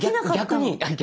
逆に。